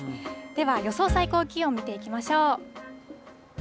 では予想最高気温見ていきましょう。